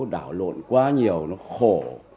đảo lộn quá nhiều nó khổ